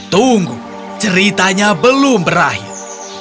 tunggu ceritanya belum berakhir